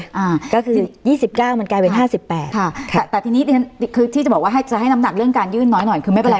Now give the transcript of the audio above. อ่าก็คือยี่สิบเก้ามันกลายเป็นห้าสิบแปดค่ะค่ะแต่แต่ทีนี้คือที่จะบอกว่าให้จะให้น้ำหนักเรื่องการยื่นน้อยหน่อยคือไม่เป็นไร